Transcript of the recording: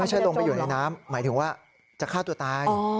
ลงไปอยู่ในน้ำหมายถึงว่าจะฆ่าตัวตาย